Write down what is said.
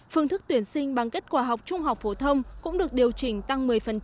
phương thức tuyển sinh bằng kết quả học trung học phổ thông cũng được điều chỉnh tăng một mươi